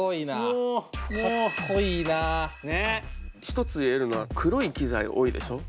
一つ言えるのは黒い機材多いでしょ？